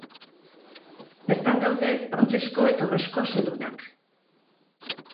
Bertan daude brontzezko eta urrezko zaldunak.